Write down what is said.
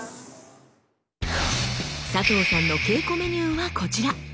佐藤さんの稽古メニューはこちら。